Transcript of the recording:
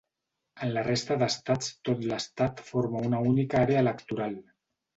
En la resta d'estats tot l'estat forma una única àrea electoral.